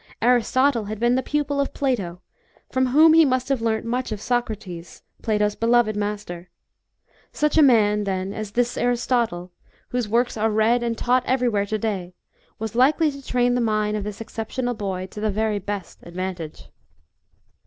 Aristotle had been the pupil of Plato, from whom he must have learnt much of Socrates, Plato's beloved master. Such a man, then, as this Aristotle whose works are read and taught everywhere to day was likaly to train the mind of this ex ceptional boy to 1 the very best advantage.